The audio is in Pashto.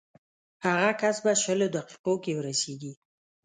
هغه کس به شل دقیقو کې ورسېږي.